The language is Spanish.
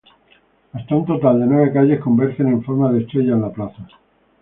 Hasta un total de nueve calles convergen en forma de estrella en la plaza.